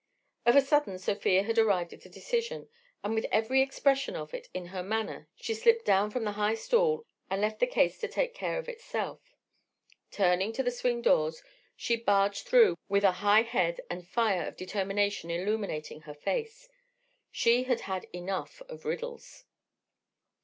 Of a sudden Sofia had arrived at a decision; and with every expression of it in her manner she slipped down from the high stool and left the caisse to take care of itself. Turning to the swing door she barged through with a high head and fire of determination illuminating her face. She had had enough of riddles.